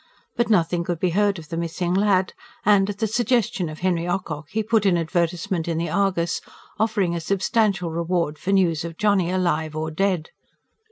But nothing could be heard of the missing lad; and at the suggestion of Henry Ocock he put an advertisement in the ARGUS, offering a substantial reward for news of Johnny alive or dead.